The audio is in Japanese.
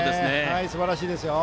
すばらしいですよ。